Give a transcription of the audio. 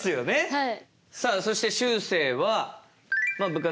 はい。